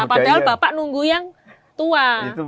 padahal bapak nunggu yang tua